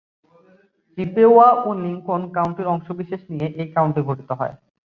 চিপেওয়া ও লিংকন কাউন্টির অংশবিশেষ নিয়ে এ কাউন্টি গঠিত হয়।